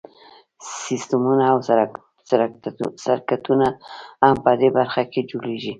سیسټمونه او سرکټونه هم په دې برخه کې جوړیږي.